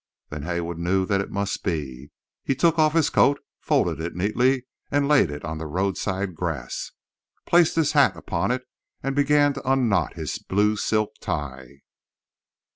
Then Haywood knew that it must be. He took off his coat, folded it neatly and laid it on the roadside grass, placed his hat upon it and began to unknot his blue silk tie.